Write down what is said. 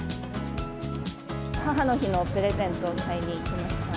母の日のプレゼントを買いに来ました。